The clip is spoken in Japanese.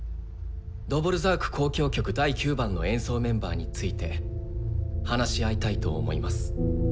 「ドヴォルザーク交響曲第９番」の演奏メンバーについて話し合いたいと思います。